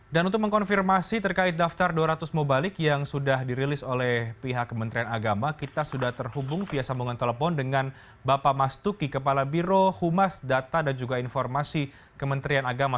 dan untuk mengkonfirmasi terkait daftar dua ratus mubalik yang sudah dirilis oleh pihak kementerian agama kita sudah terhubung via sambungan telepon dengan bapak mastuki kepala biro humas data dan juga informasi kementerian agama